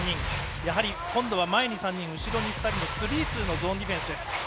やはり今度は前に３人後ろに２人の３−２のゾーンディフェンスです。